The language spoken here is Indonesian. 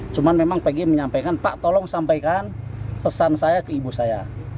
cuma memang pg menyampaikan pak tolong sampaikan pesan saya ke ibu saya